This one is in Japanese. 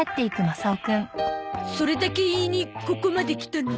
それだけ言いにここまで来たの？